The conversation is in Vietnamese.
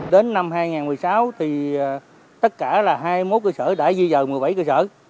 đến năm hai nghìn một mươi sáu thì tất cả là hai mươi một cơ sở đã di dời một mươi bảy cơ sở